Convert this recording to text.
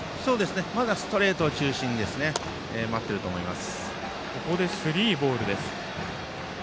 まだストレート中心に待っていると思います。